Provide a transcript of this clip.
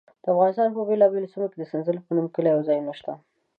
د افغانستان په بېلابېلو سیمو کې د سنځلې په نوم کلي او ځایونه شته.